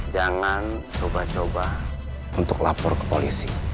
jangan coba coba untuk lapor ke polisi